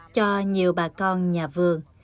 cho nhiều bà con nhà vườn